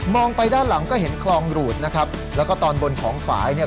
ไปด้านหลังก็เห็นคลองหรูดนะครับแล้วก็ตอนบนของฝ่ายเนี่ย